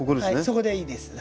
そこでいいです。